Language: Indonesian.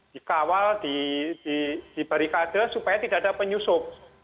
dikawal di barikade supaya tidak ada penyusup